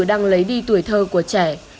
đang lấy đi tuổi thơ của trẻ